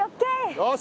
よし！